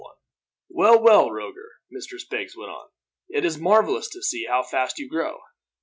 "Well, well, Roger," Mistress Beggs went on, "it is marvelous to see how fast you grow!